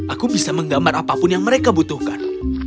aku bisa menggambar apapun yang mereka butuhkan